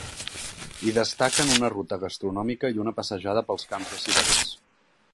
Hi destaquen una ruta gastronòmica i una passejada pels camps de cirerers.